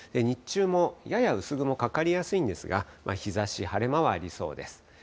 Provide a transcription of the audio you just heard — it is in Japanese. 日中もやや薄雲、かかりやすいんですが、日ざし、晴れ間はありそうです。